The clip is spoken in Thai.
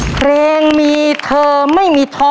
เพลงมีเธอไม่มีท้อ